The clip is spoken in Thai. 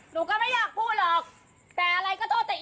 หนูก็ไม่อยากพูดหรอกแต่อะไรก็โทษติ